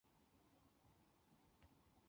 不过相同发动机用在两架飞机也不尽相通。